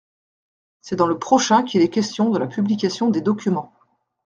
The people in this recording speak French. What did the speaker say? C’est dans le prochain qu’il est question de la publication des documents.